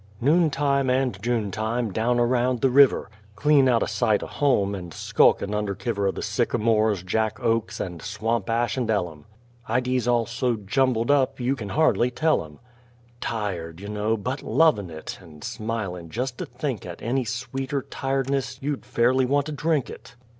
Noon time and June time, down around the river! Clean out o' sight o' home, and skulkin' under kivver Of the sycamores, jack oaks, and swamp ash and ellum Idies all so jumbled up, you kin hardly tell'em! Tired, you know, but lovin' it, and smilin' jest to think 'at Any sweeter tiredness you'd fairly want to drink it.